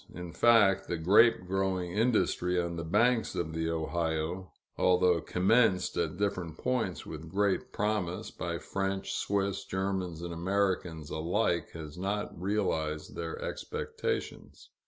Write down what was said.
In fact, the grape growing industry on the banks of the Ohio, although commenced at different points with great promise, by French, Swiss, Germans, and Americans alike, has not realized their expectations.